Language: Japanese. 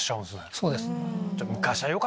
そうです。